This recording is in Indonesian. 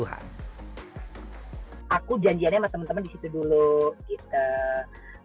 aku janjiannya sama temen temen disitu dulu gitu